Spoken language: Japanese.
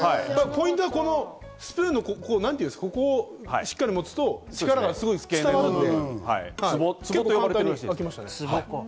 ポイントはスプーンのここをしっかり持つと、力がすごく伝わるので。